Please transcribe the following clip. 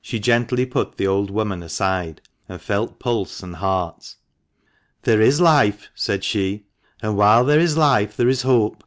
She gently put the old woman aside, and felt pulse and heart. "There is life," said she, "and while there is life there is hope.